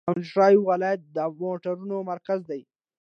اونټاریو ولایت د موټرو مرکز دی.